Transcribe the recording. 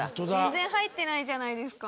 全然入ってないじゃないですか。